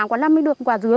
quả năm mới được quả dứa